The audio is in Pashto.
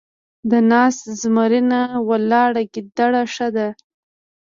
ـ د ناست زمري نه ، ولاړ ګيدړ ښه دی.